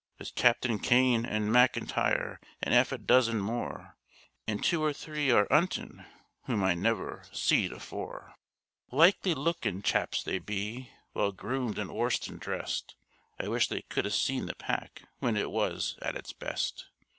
There's Captain Kane an' McIntyre an' 'alf a dozen more, And two or three are 'untin' whom I never seed afore; Likely lookin' chaps they be, well groomed and 'orsed and dressed— I wish they could 'a seen the pack when it was at its best.